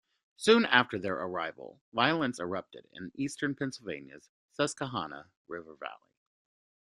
Soon after their arrival violence erupted in eastern Pennsylvania's Susquehanna River valley.